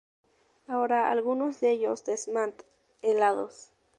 Ahora, algunos de ellos desmantelados.